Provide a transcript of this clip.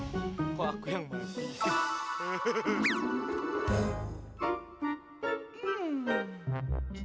kok aku yang bangkit